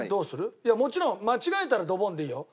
いやもちろん間違えたらドボンでいいよ。